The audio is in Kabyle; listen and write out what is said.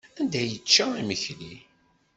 Anda ay yečča imekli?